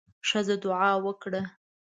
ښځه دعا وکړه.